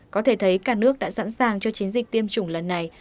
có thể thấy cả nước đã sẵn sàng cho chiến dịch tiêm chủng lần này